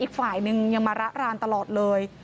อีกฝ่ายนึงยังมาระรานตลอดเลย